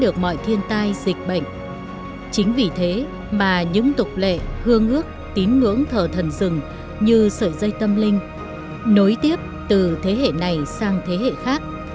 chính vì thế mà những tục lệ hương ước tín ngưỡng thờ thần rừng như sợi dây tâm linh nối tiếp từ thế hệ này sang thế hệ khác